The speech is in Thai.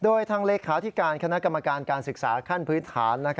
โดยทางเลขาธิการคณะกรรมการการศึกษาขั้นพื้นฐาน